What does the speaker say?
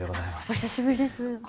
お久しぶりです。